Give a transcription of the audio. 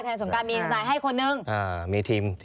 ทนายสงการมีทนายให้คนหนึ่ง